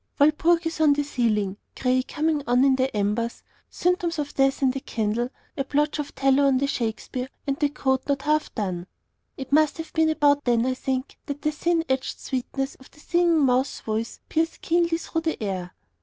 Walpurgis on the ceiling, gray coming on in the embers, symptoms of death in the candle, a blotch of tallow on the Shakespeare, and the coat not half done. It must have been about then, I think, that the thin edged sweetness of the Singing Mouse's voice pierced keenly through the air.